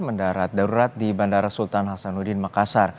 mendarat darurat di bandara sultan hasanuddin makassar